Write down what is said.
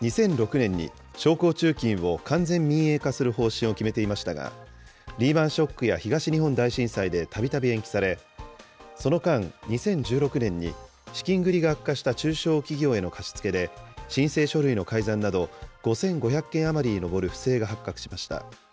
政府は２００６年に、商工中金を完全民営化する方針を決めていましたが、リーマンショックや東日本大震災でたびたび延期され、その間、２０１６年に資金繰りが悪化した中小企業への貸し付けで、申請書類の改ざんなど、５５００件余りに上る不正が発覚しました。